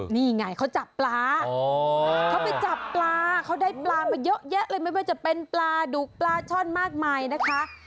นี่ไงเขาจับปลาเขาไปจับปลาเขาได้ปลาไปเยอะแยะเลยไม่ว่าจะเป็นปลาดุกปลาช่อนมากมายนะคะ